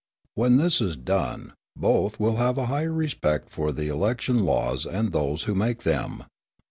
When this is done, both will have a higher respect for the election laws and those who make them.